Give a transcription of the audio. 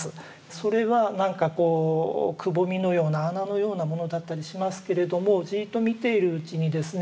それはなんかこうくぼみのような穴のようなものだったりしますけれどもじっと見ているうちにですね